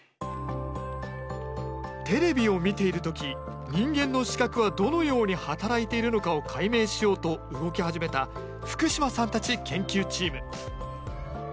テレビを見ている時人間の視覚はどのように働いているのかを解明しようと動き始めた福島さんたち研究チーム。